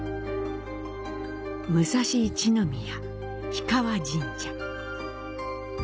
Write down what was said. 武蔵一宮、氷川神社。